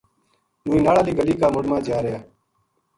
نوری ناڑ ہالی گلی کا مُنڈھ ما جا رہیا